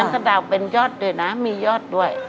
สะดาวเป็นยอดด้วยนะมียอดด้วย